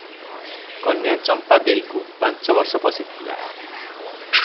କନ୍ୟା ଚମ୍ପା ଦେଇକୁ ପାଞ୍ଚ ବର୍ଷ ପଶିଥିଲା ।